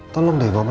tolong deh mama